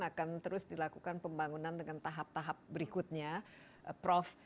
akan terus dilakukan pembangunan dengan tahap tahap berikutnya prof